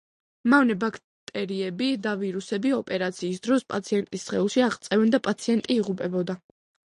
მავნე ბაქტერიები და ვირუსები ოპერაციის დროს პაციენტის სხეულში აღწევდნენ და პაციენტი იღუპებოდა.